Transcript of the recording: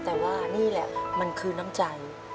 แต่ว่านี่แหละมันคือน้ำใจ